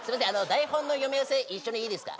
台本の読み合わせ一緒にいいですか？